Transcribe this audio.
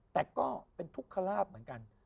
แต่ก็เป็นทุกขลาบเหมือนกัน